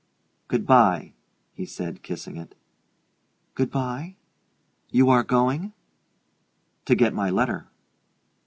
"Good by," he said, kissing it. "Good by? You are going ?" "To get my letter."